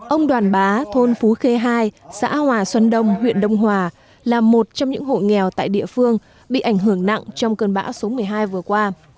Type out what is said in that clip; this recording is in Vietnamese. ông đoàn bá thôn phú khê hai xã hòa xuân đông huyện đông hòa là một trong những hộ nghèo tại địa phương bị ảnh hưởng nặng trong cơn bão số một mươi hai vừa qua